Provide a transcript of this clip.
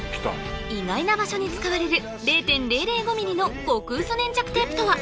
意外な場所に使われる０．００５ミリの極薄粘着テープとは？